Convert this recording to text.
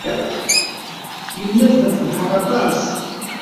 Yenna-d: ad ferḥeɣ aṭas!